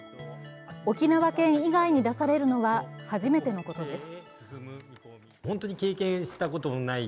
沖縄県以外に出されるのは初めてのことです。